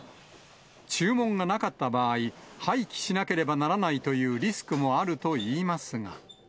注文がなかった場合、廃棄しなければならないというリスクもあるといいますが。